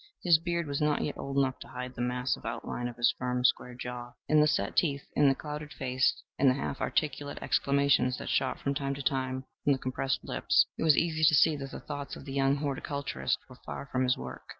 His beard was not yet old enough to hide the massive outline of his firm, square jaw. In the set teeth, in the clouded face, in the half articulate exclamations that shot from time to time from the compressed lips, it was easy to see that the thoughts of the young horticulturist were far from his work.